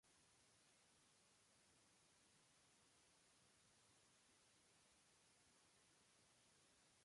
Es proveedora de información de primera mano tanto para medios nacionales como internacionales.